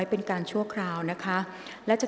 กรรมการท่านที่สามได้แก่กรรมการใหม่เลขหนึ่งค่ะ